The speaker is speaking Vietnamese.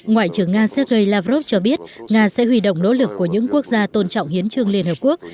ngoại trưởng nga sergei lavrov cho biết nga sẽ hủy động nỗ lực của những quốc gia tôn trọng hiến trương liên hợp quốc